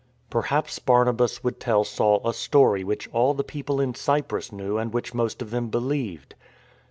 Perhaps Barnabas would tell Saul a story which all the people in Cyprus knew and which most of them believed.